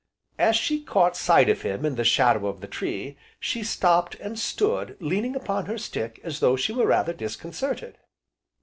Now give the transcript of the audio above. As she caught sight of him in the shadow of the tree, she stopped and stood leaning upon her stick as though she were rather disconcerted.